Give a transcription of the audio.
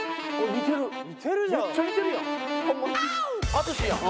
「淳やん」